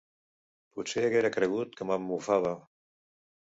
Potser haguera cregut que me'n mofava.